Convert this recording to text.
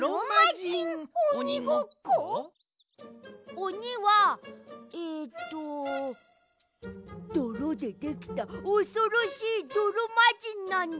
おにはえっとどろでできたおそろしいどろまじんなんだ。